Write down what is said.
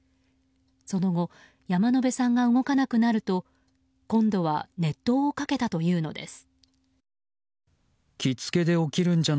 その後山野辺さんが動かなくなると今度は熱湯をかけたというのです。